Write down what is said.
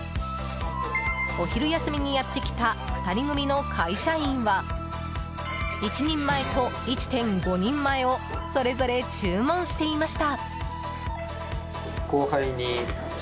お昼休みにやってきた２人組の会社員は１人前と、１．５人前をそれぞれ注文していました。